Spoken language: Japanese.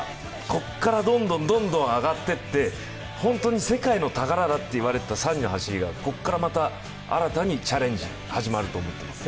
ここからどんどん上がっていって本当に世界の宝だと言われていたサニの走りがここからまた新たにチャレンジ、始まると思ってます。